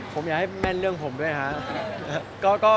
ผมอยากให้แม่นเรื่องผมด้วยครับ